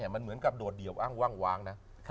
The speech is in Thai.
มันเหมือนกับโดดเดี่ยวอ้างว่าว้างนะ